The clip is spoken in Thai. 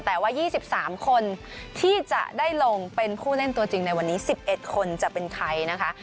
แต่ว่า๒๓คนที่จะได้ลงเป็นผู้เล่นตัวจริงในวันนี้๑๑คนจะเป็นใครนะคะ